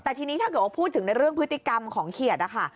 แต่ทีนี้ถ้าเกิดว่าพูดถึงในเรื่องพฤติกรรมของเขียดนะคะ